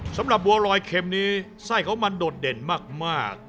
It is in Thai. สำหรับบัวลอยเข็มนี้ไส้ของมันโดดเด่นมาก